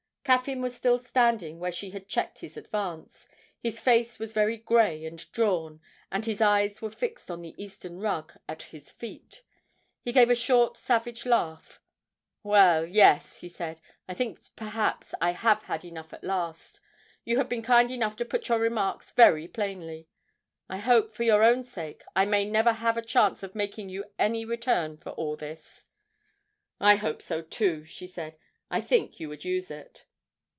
Caffyn was still standing where she had checked his advance; his face was very grey and drawn, and his eyes were fixed on the Eastern rug at his feet. He gave a short savage laugh. 'Well, yes,' he said, 'I think perhaps I have had enough at last. You have been kind enough to put your remarks very plainly. I hope, for your own sake, I may never have a chance of making you any return for all this.' 'I hope so too,' she said; 'I think you would use it.'